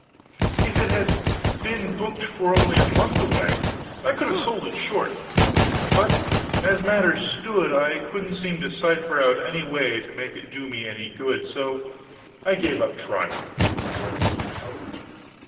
If it had been booked for only a month away, I could have sold it short; but, as matters stood, I couldn't seem to cipher out any way to make it do me any good, so I gave up trying.